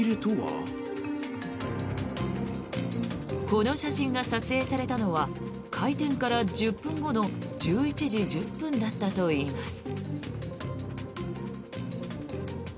この写真が撮影されたのは開店から１０分後の１１時１０分だったといいます。